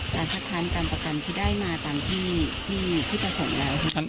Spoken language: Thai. จากทางการประกันที่ได้มาตามที่ที่จะส่งอะไรครับ